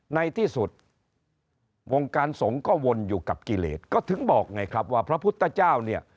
ในที่สุดวงการสงฆ์ก็วนอยู่กับกิเลสก็ถึงบอกไงครับว่าพระพุทธเจ้าเนี่ย